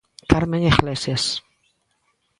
Carmen Iglesias.